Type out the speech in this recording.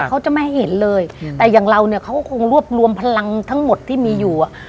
เขาจะไม่ให้เห็นเลยแต่อย่างเราเนี่ยเขาก็คงรวบรวมพลังทั้งหมดที่มีอยู่อ่ะ